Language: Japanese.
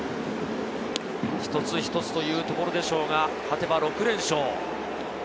一つ一つというところでしょうが、勝てば６連勝。